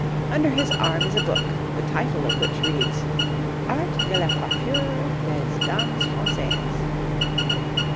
Under his arm is a book, the title of which reads, 'Art de la Coiffure des Dames Françaises.'